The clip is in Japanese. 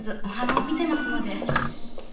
お花を見てますので。